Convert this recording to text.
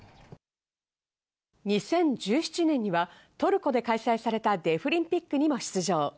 ２０１７年にはトルコで開催されたデフリンピックにも出場。